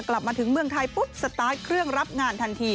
กลับมาถึงเมืองไทยปุ๊บสตาร์ทเครื่องรับงานทันที